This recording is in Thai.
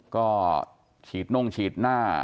ก็ฉีดน่งฉีดหน้า